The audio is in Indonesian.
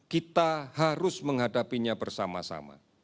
kita harus menghadapinya bersama sama